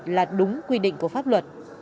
là đúng quy định của pháp luật